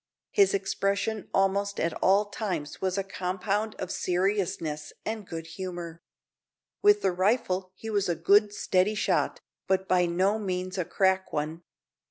His expression almost at all times was a compound of seriousness and good humour. With the rifle he was a good, steady shot, but by no means a "crack" one.